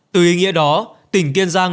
từ ý nghĩa đó tỉnh kiên giang